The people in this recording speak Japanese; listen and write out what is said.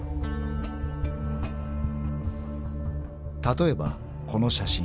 ［例えばこの写真］